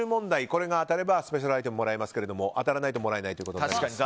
これが当たればスペシャルアイテムをもらえますけれども当たらないともらえないということで。